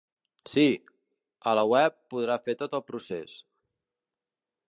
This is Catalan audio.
Si, a la web podrà fer tot el procés.